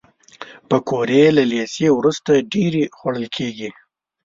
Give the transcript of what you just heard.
پکورې له لیسې وروسته ډېرې خوړل کېږي